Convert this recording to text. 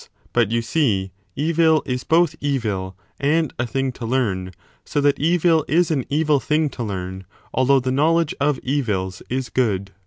But, you see, evil is both evil and a thing to learn, so that evil is an evil thing to learn, although the knowledge of evils is good.